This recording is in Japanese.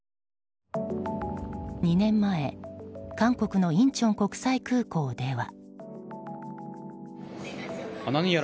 ２年前、韓国のインチョン国際空港では。